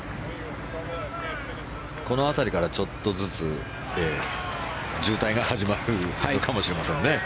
この辺りからちょっとずつ渋滞が始まるかもしれませんね。